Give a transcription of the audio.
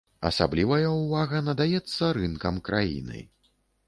Асаблівая ўвага надаецца рынкам краіны.